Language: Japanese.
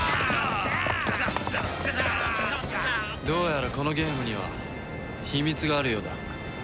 どうやらこのゲームには秘密があるようだ。